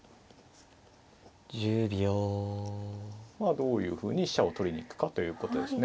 どういうふうに飛車を取りに行くかということですね。